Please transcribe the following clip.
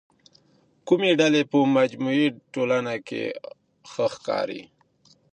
کومې ډلې په مجموعي ټولنه کي ښه ښکاري؟